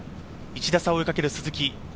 １打差を追いかける鈴木。